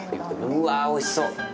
うわ、おいしそう。